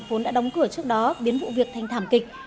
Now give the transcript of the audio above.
vốn đã đóng cửa trước đó biến vụ việc thành thảm kịch